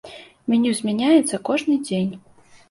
Меню змяняецца кожны дзень.